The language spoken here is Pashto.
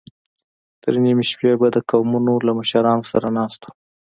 تر نيمې شپې به د قومونو له مشرانو سره ناست و.